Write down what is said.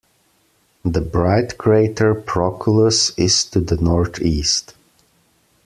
The bright crater Proclus is to the northeast.